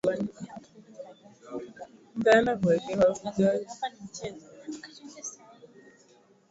mwishoni mwa Februari iliyopelekea kuvuruga mtiririko wa usambazaji